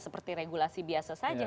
seperti regulasi biasa saja